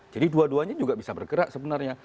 jadi dua duanya juga bisa bergerak sebenarnya